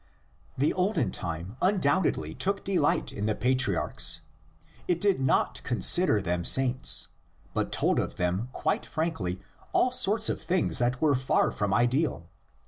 The olden time undoubtedly took delight in the patriarchs; it did not consider them saints, but told of them quite frankly all sorts of things that were far from ideal.